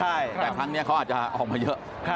ใช่แต่ครั้งนี้เขาอาจจะออกมาเยอะ